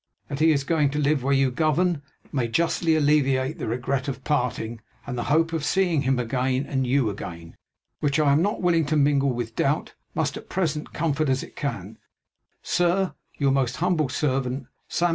That he is going to live where you govern, may justly alleviate the regret of parting; and the hope of seeing both him and you again, which I am not willing to mingle with doubt, must at present comfort as it can, Sir, Your most humble servant, SAM.